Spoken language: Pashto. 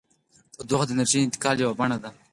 تودوخه د انرژۍ د انتقال یوه بڼه ده.